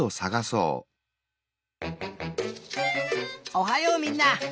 おはようみんな！